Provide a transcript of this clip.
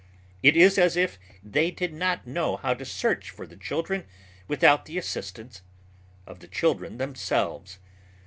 It is as if they did not know how to search for the children without the assistance of the children themselves.